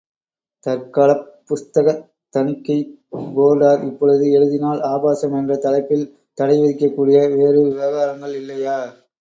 தற்காலப் புஸ்தகத் தணிக்கை போர்டார், இப்பொழுது எழுதினால் ஆபாசம் என்ற தலைப்பில் தடை விதிக்கக்கூடிய வேறு விவகாரங்கள் இல்லையா?